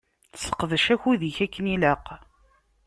Seqdec akud-ik akken ilaq.